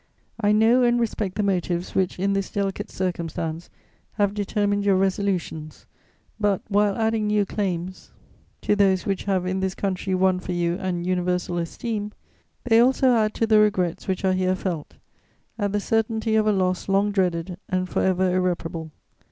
I know and respect the motives which, in this delicate circumstance, have determined your resolutions; but, while adding new claims to those which have in this country won for you an universal esteem, they also add to the regrets which are here felt at the certainty of a loss long dreaded and for ever irreparable.